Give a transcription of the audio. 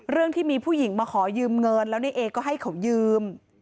ที่มีผู้หญิงมาขอยืมเงินแล้วในเอก็ให้เขายืม